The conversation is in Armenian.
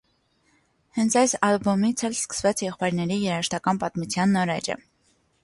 Հենց այդ ալբոմից էլ սկսվեց եղբայրների երաժշտական պատմության նոր էջը։